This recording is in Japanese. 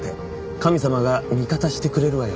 「神様が味方してくれるわよ」